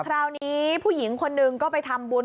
คราวนี้ผู้หญิงคนหนึ่งก็ไปทำบุญ